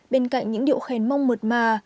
bên cạnh những điệu khen mong mượt mà